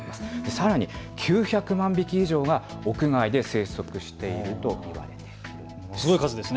さらに９００万匹以上が屋外で生息しているといわれています。